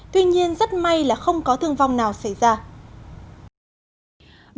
tuy nhiên rất may là không có thương vong nào xảy ra